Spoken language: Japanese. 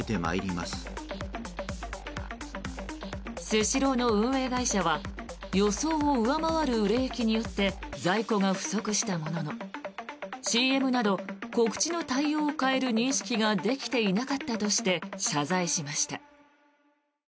スシローの運営会社は予想を上回る売れ行きによって在庫が不足したものの、ＣＭなど告知の対応を変える認識ができていなかったとして謝罪しました。